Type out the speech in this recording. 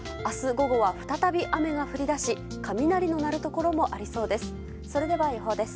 午後は再び雨が降り出し雷の鳴るところもありそうです。